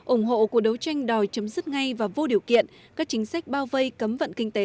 ủng hộ cuộc đấu tranh đòi chấm dứt ngay và vô điều kiện các chính sách bao vây cấm vận kinh tế